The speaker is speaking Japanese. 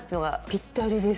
ぴったりです。